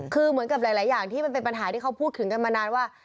คือเหมือนกับหลายอย่างที่มันเป็นปัญหาที่เขาพูดถึงกันมานานว่า